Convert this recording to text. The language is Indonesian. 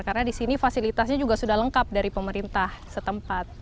karena di sini fasilitasnya juga sudah lengkap dari pemerintah setempat